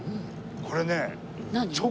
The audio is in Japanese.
これね。